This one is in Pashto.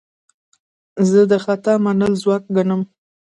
زه د خطا منل ځواک ګڼم.